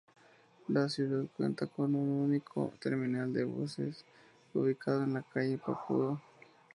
La ciudad cuenta con un único terminal de buses, ubicado en la calle Papudo.